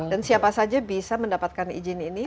dan siapa saja bisa mendapatkan izin ini